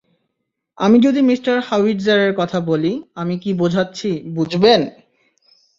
আমি যদি মিস্টার হাউয়িটজারের কথা বলি, আমি কী বোঝাচ্ছি, বুঝবেন?